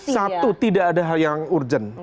satu tidak ada hal yang urgent